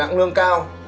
nặng lương cao